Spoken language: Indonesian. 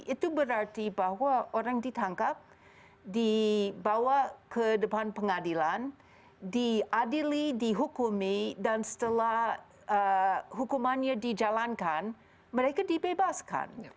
itu berarti bahwa orang ditangkap dibawa ke depan pengadilan diadili dihukumi dan setelah hukumannya dijalankan mereka dibebaskan